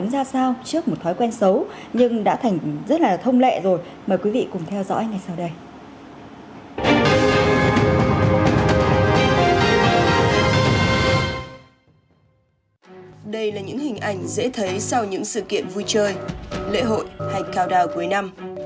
đây là những hình ảnh dễ thấy sau những sự kiện vui chơi lễ hội hay cao đao cuối năm